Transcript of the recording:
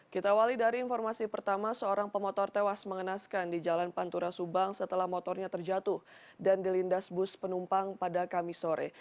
kita awali dari informasi pertama seorang pemotor tewas mengenaskan di jalan pantura subang setelah motornya terjatuh dan dilindas bus penumpang pada kamis sore